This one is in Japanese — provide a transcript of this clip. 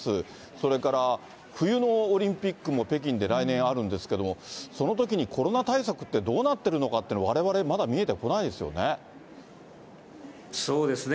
それから冬のオリンピックも北京で来年あるんですけども、そのときにコロナ対策ってどうなってるのかっていうの、われわれそうですね。